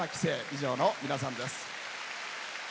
以上の皆さんです。